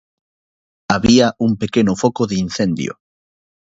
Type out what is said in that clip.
Había un pequeno foco de incendio.